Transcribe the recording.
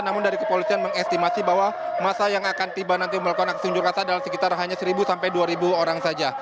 namun dari kepolisian mengestimasi bahwa masa yang akan tiba nanti melakukan aksi unjuk rasa adalah sekitar hanya seribu sampai dua orang saja